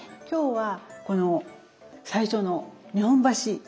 今日はこの最初の日本橋。